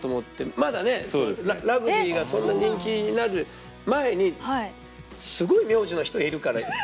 まだねラグビーがそんな人気になる前にすごい名字の人いるから呼んでいい？